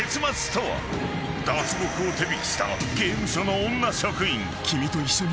［脱獄を手引きした刑務所の女職員］